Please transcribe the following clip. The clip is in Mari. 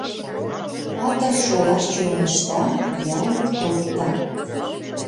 Патыр шолаш чоҥешта, ялт кылта.